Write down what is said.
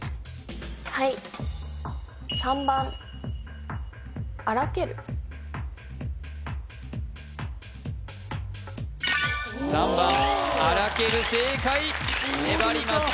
はい３番あらける正解粘ります